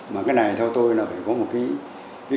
mà cái này theo tôi là phải có một cái